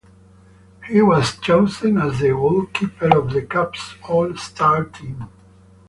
He was chosen as the goalkeeper of the Cup's All-Star Team.